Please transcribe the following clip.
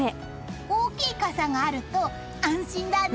大きい傘があると安心だね。